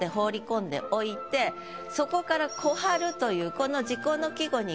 そこから「小春」という。